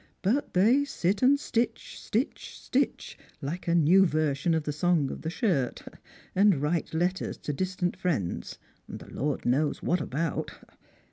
But they sit and stitch, stitch, stitch, like a new version of the Song of the Shirt, and write letters to distant friends, the Lord knows what about.